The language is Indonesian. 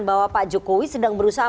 bahwa pak jokowi sedang berusaha